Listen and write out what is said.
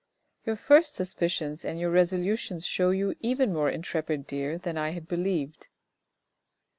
Your first suspicions and your resolutions show you even more intrepid, dear, than I had believed."